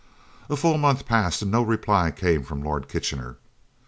A full month passed and no reply came from Lord Kitchener.